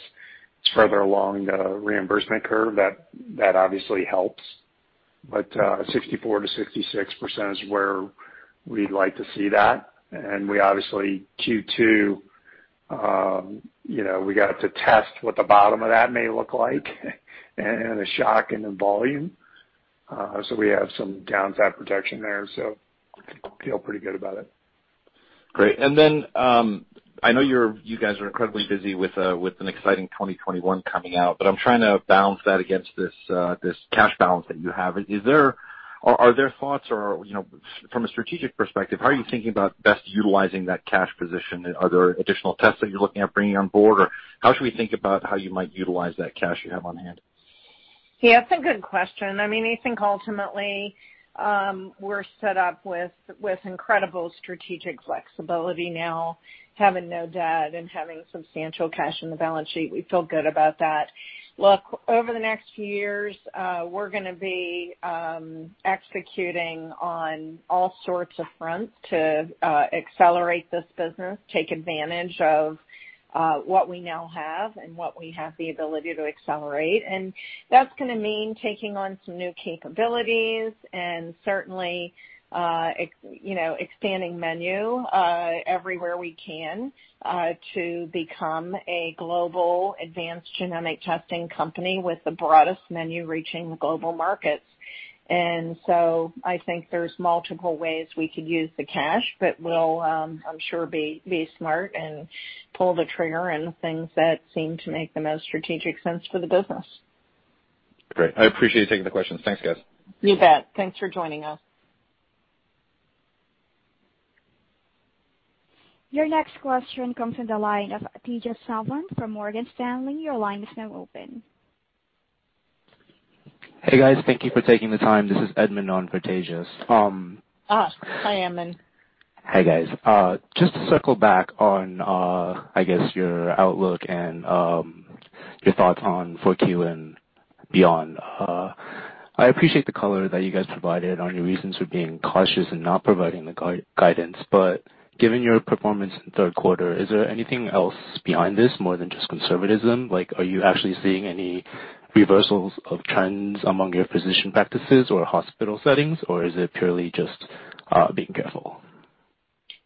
it's further along the reimbursement curve. That obviously helps. 64%-66% is where we'd like to see that. We obviously, Q2, we got to test what the bottom of that may look like and the shock and the volume. We have some downside protection there, so I feel pretty good about it. I know you guys are incredibly busy with an exciting 2021 coming out, but I'm trying to balance that against this cash balance that you have. Are there thoughts or, from a strategic perspective, how are you thinking about best utilizing that cash position? Are there additional tests that you're looking at bringing on board? How should we think about how you might utilize that cash you have on hand? Yeah, that's a good question. I think ultimately, we're set up with incredible strategic flexibility now, having no debt and having substantial cash in the balance sheet. We feel good about that. Look, over the next few years, we're going to be executing on all sorts of fronts to accelerate this business, take advantage of what we now have and what we have the ability to accelerate. That's going to mean taking on some new capabilities and certainly expanding menu everywhere we can, to become a global advanced genomic testing company with the broadest menu reaching the global markets. I think there's multiple ways we could use the cash, but we'll, I'm sure, be smart and pull the trigger on things that seem to make the most strategic sense for the business. Great. I appreciate you taking the questions. Thanks, guys. You bet. Thanks for joining us. Your next question comes from the line of Tejas Savant from Morgan Stanley. Your line is now open. Hey, guys. Thank you for taking the time. This is Edmund on for Tejas. Hi, Edmund. Hi, guys. Just to circle back on, I guess your outlook and your thoughts on 4Q and beyond. I appreciate the color that you guys provided on your reasons for being cautious and not providing the guidance. Given your performance in the third quarter, is there anything else behind this more than just conservatism? Are you actually seeing any reversals of trends among your physician practices or hospital settings, or is it purely just being careful?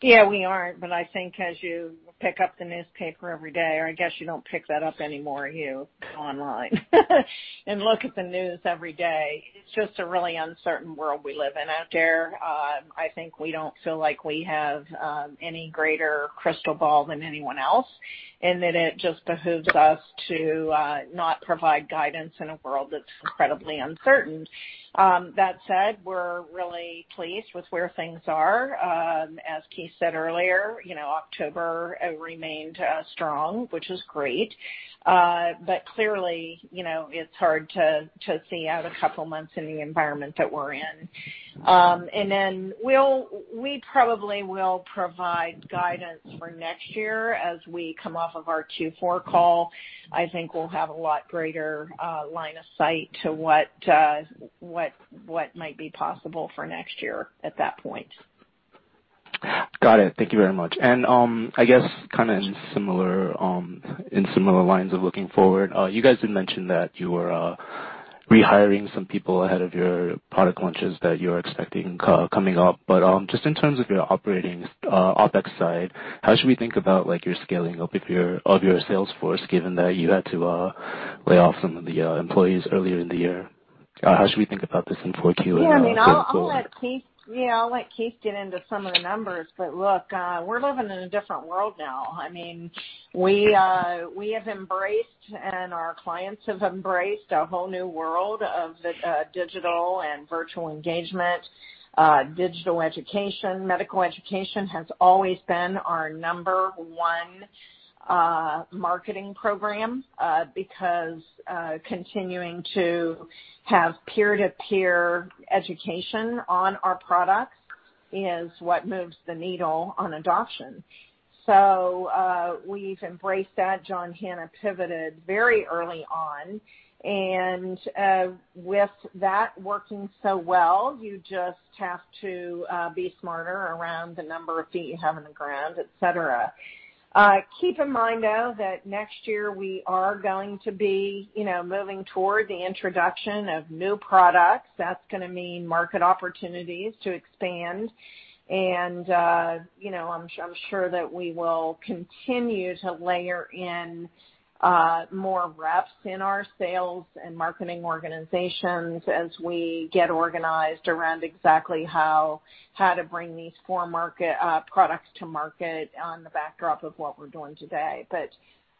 Yeah, we aren't. I think as you pick up the newspaper every day, or I guess you don't pick that up anymore, you go online and look at the news every day, it's just a really uncertain world we live in out there. I think we don't feel like we have any greater crystal ball than anyone else, and that it just behooves us to not provide guidance in a world that's incredibly uncertain. That said, we're really pleased with where things are. As Keith said earlier, October remained strong, which is great. Clearly, it's hard to see out a couple of months in the environment that we're in. Then we probably will provide guidance for next year as we come off of our 2024 call. I think we'll have a lot greater line of sight to what might be possible for next year at that point. Got it. Thank you very much. I guess in similar lines of looking forward, you guys did mention that you were rehiring some people ahead of your product launches that you're expecting coming up. Just in terms of your operating OpEx side, how should we think about your scaling up of your sales force, given that you had to lay off some of the employees earlier in the year? How should we think about this in 4Q and going forward? Yeah, I'll let Keith get into some of the numbers. Look, we're living in a different world now. We have embraced, and our clients have embraced a whole new world of digital and virtual engagement, digital education. Medical education has always been our number 1 marketing program, because continuing to have peer-to-peer education on our products is what moves the needle on adoption. We've embraced that. John Hanna pivoted very early on, and with that working so well, you just have to be smarter around the number of feet you have in the ground, et cetera. Keep in mind, though, that next year we are going to be moving toward the introduction of new products. That's going to mean market opportunities to expand. I'm sure that we will continue to layer in more reps in our sales and marketing organizations as we get organized around exactly how to bring these four products to market on the backdrop of what we're doing today.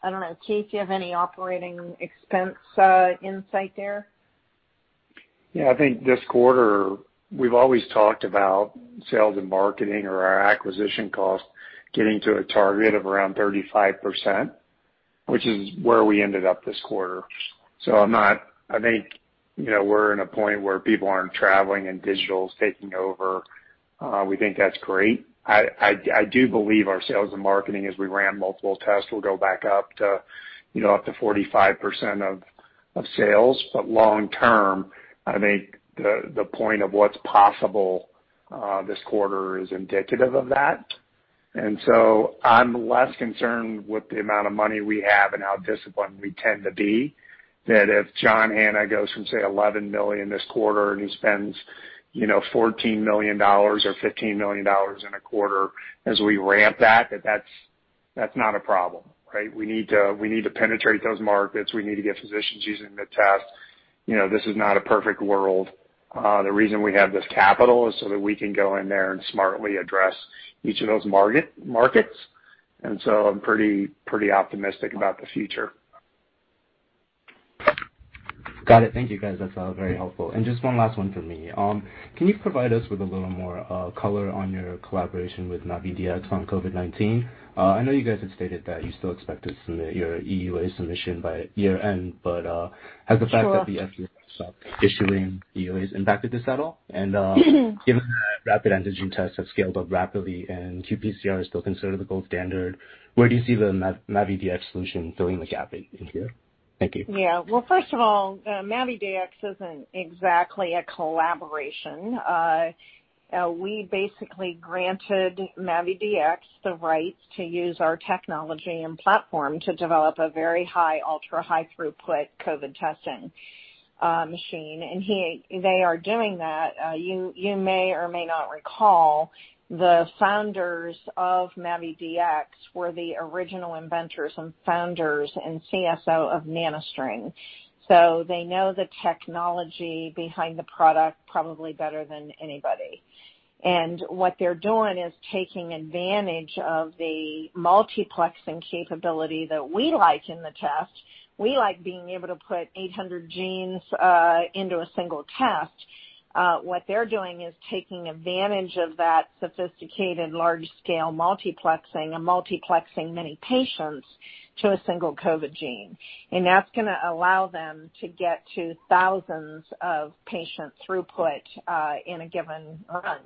I don't know. Keith, do you have any operating expense insight there? I think this quarter, we've always talked about sales and marketing or our acquisition cost getting to a target of around 35%, which is where we ended up this quarter. I think we're in a point where people aren't traveling and digital's taking over. We think that's great. I do believe our sales and marketing, as we ramp multiple tests, will go back up to 45% of sales. Long term, I think the point of what's possible this quarter is indicative of that. I'm less concerned with the amount of money we have and how disciplined we tend to be, that if John Hanna goes from, say, $11 million this quarter and he spends $14 million or $15 million in a quarter as we ramp that's not a problem, right? We need to penetrate those markets. We need to get physicians using the test. This is not a perfect world. The reason we have this capital is so that we can go in there and smartly address each of those markets. I'm pretty optimistic about the future. Got it. Thank you, guys. That's all very helpful. Just one last one from me. Can you provide us with a little more color on your collaboration with MAVIDx on COVID-19? I know you guys had stated that you still expect to submit your EUA submission by year-end. Sure has the fact that the FDA stopped issuing EUAs impacted this at all? Given that rapid antigen tests have scaled up rapidly and qPCR is still considered the gold standard, where do you see the MAVIDx solution filling the gap in here? Thank you. Well, first of all, MAVIDx isn't exactly a collaboration. We basically granted MAVIDx the rights to use our technology and platform to develop a very high, ultra-high throughput COVID testing machine. They are doing that. You may or may not recall the founders of MAVIDx were the original inventors and founders and CSO of NanoString. They know the technology behind the product probably better than anybody. What they're doing is taking advantage of the multiplexing capability that we like in the test. We like being able to put 800 genes into a single test. What they're doing is taking advantage of that sophisticated large-scale multiplexing and multiplexing many patients to a single COVID gene. That's going to allow them to get to thousands of patients throughput in a given run.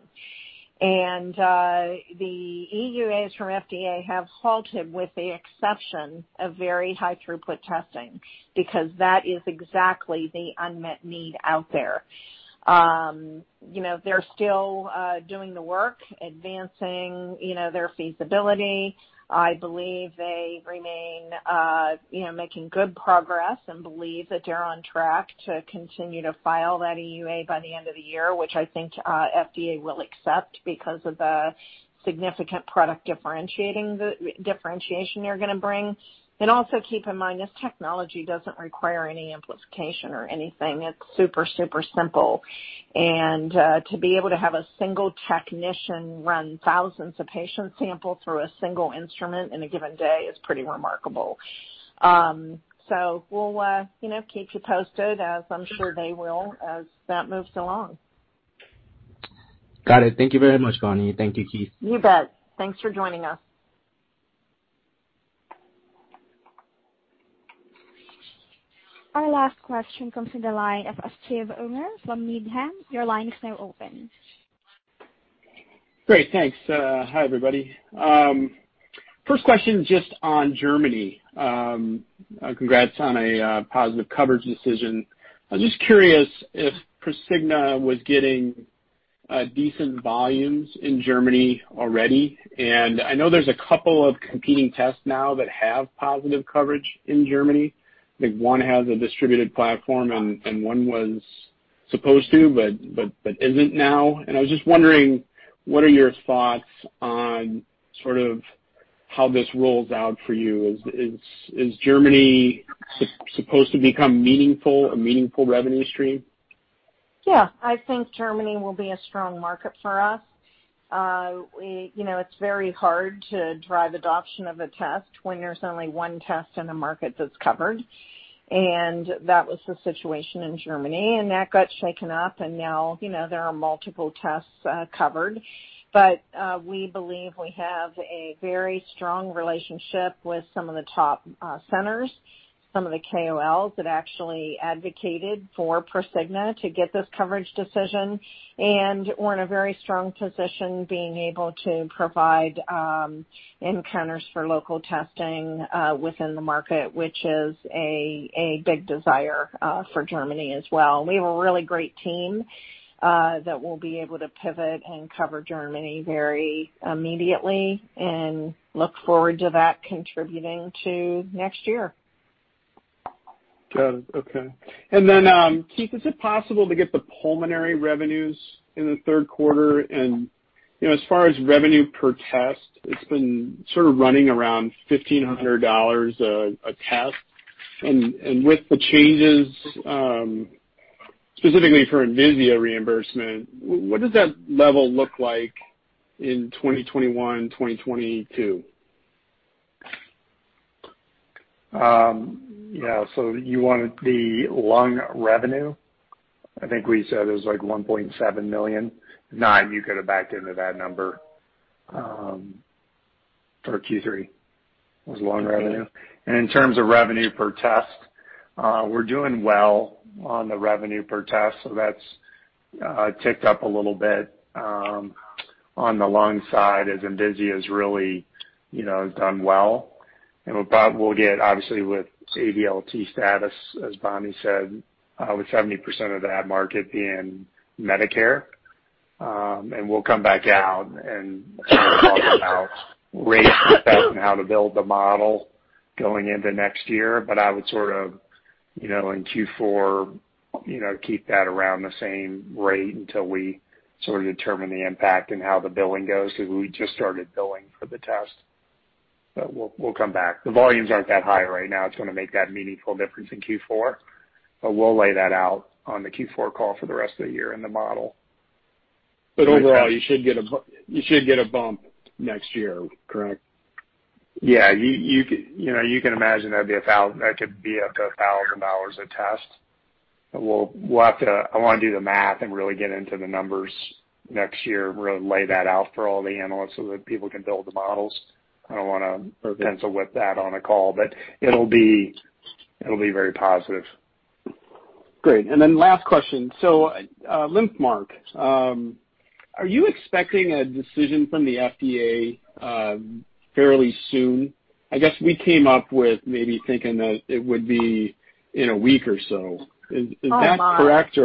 The EUAs from FDA have halted, with the exception of very high throughput testing, because that is exactly the unmet need out there. They're still doing the work, advancing their feasibility. I believe they remain making good progress and believe that they're on track to continue to file that EUA by the end of the year, which I think FDA will accept because of the significant product differentiation they're going to bring. Also keep in mind, this technology doesn't require any amplification or anything. It's super simple. To be able to have a single technician run thousands of patient samples through a single instrument in a given day is pretty remarkable. We'll keep you posted as I'm sure they will as that moves along. Got it. Thank you very much, Bonnie. Thank you, Keith. You bet. Thanks for joining us. Our last question comes from the line of Asit Omer from Needham. Your line is now open. Great. Thanks. Hi, everybody. First question just on Germany. Congrats on a positive coverage decision. I'm just curious if Prosigna was getting decent volumes in Germany already. I know there's a couple of competing tests now that have positive coverage in Germany. I think one has a distributed platform and one was supposed to, but isn't now. I was just wondering, what are your thoughts on sort of how this rolls out for you? Is Germany supposed to become a meaningful revenue stream? Yeah, I think Germany will be a strong market for us. It's very hard to drive adoption of a test when there's only one test in a market that's covered, and that was the situation in Germany, and that got shaken up, and now there are multiple tests covered. We believe we have a very strong relationship with some of the top centers, some of the KOLs that actually advocated for Prosigna to get this coverage decision. We're in a very strong position being able to provide nCounter for local testing within the market, which is a big desire for Germany as well. We have a really great team that will be able to pivot and cover Germany very immediately and look forward to that contributing to next year. Got it. Okay. Keith, is it possible to get the pulmonary revenues in the third quarter? As far as revenue per test, it's been sort of running around $1,500 a test. With the changes, specifically for Envisia reimbursement, what does that level look like in 2021, 2022? Yeah. You wanted the lung revenue? I think we said it was like $1.7 million. Keith, you could have backed into that number for Q3. It was lung revenue. In terms of revenue per test, we're doing well on the revenue per test, so that's ticked up a little bit on the lung side as Envisia has really done well. We'll get, obviously, with ADLT status, as Bonnie said, with 70% of that market being Medicare, and we'll come back out and talk about rates and how to build the model going into next year. I would sort of in Q4 keep that around the same rate until we sort of determine the impact and how the billing goes, because we just started billing for the test. We'll come back. The volumes aren't that high right now to make that meaningful difference in Q4, but we'll lay that out on the Q4 call for the rest of the year and the model. Overall, you should get a bump next year, correct? Yeah. You can imagine that could be up to $1,000 a test. I want to do the math and really get into the numbers next year, really lay that out for all the analysts so that people can build the models. I don't want to pencil whip that on a call, but it'll be very positive. Great. Last question. LymphMark, are you expecting a decision from the FDA fairly soon? I guess we came up with maybe thinking that it would be in a week or so. Oh my. Is that correct?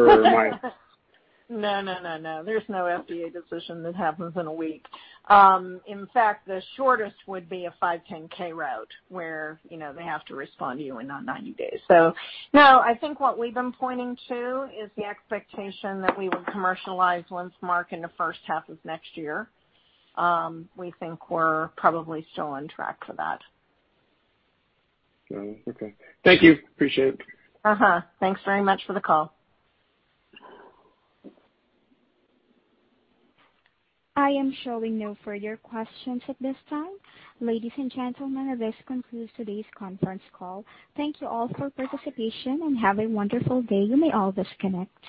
No. There's no FDA decision that happens in a week. In fact, the shortest would be a 510 route where they have to respond to you in 90 days. No, I think what we've been pointing to is the expectation that we will commercialize LymphMark in the first half of next year. We think we're probably still on track for that. Okay. Thank you. Appreciate it. Thanks very much for the call. I am showing no further questions at this time. Ladies and gentlemen, this concludes today's conference call. Thank you all for participation, and have a wonderful day. You may all disconnect.